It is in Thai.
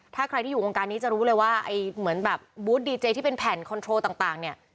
ถ้าใครที่อยู่วงการนี้จะรู้เลยว่าไอ้เหมือนแบบบูธดีเจที่เป็นแผ่นคอนโทรต่างเนี่ย